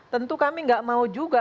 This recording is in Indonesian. tentu kami nggak mau juga